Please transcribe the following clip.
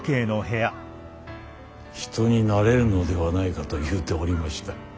「人になれるのではないか」と言うておりました。